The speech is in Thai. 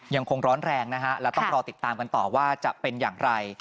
ยังคงร้อนแรงนะฮะแล้วต้องรอติดตามกันต่อว่าจะเป็นอย่างไร